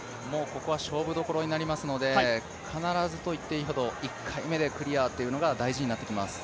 ここは勝負どころになりますので、必ずといっていいほど１回目でクリアというのが大事になってきます。